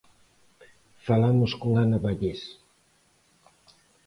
Falamos con Ana Vallés.